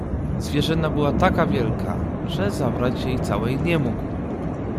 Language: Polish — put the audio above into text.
"Zwierzyna była taka wielka, że zabrać jej całej nie mógł!"